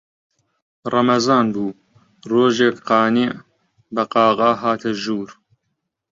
ڕەمەزان بوو، ڕۆژێک قانیع بە قاقا هاتە ژوور